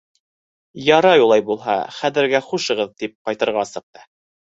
— Ярай улай булһа, хәҙергә хушығыҙ, — тип ҡайтырға сыҡты.